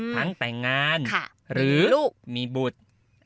ทั้งแต่งงานหรือมีบุตร